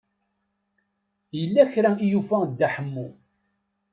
Yella kra i yufa Dda Ḥemmu.